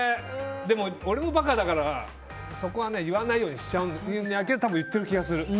でも、俺も馬鹿だからそこは言わないようにするけど多分、言っている気がする。